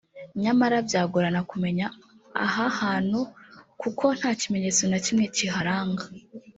nyamara byagorana kumenya aha hantu kuko nta kimenyetso na kimwe kiharanga